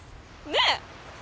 ねえ。